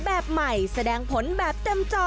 แบบใหม่แสดงผลแบบเต็มจอ